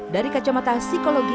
dari kacamata psikologi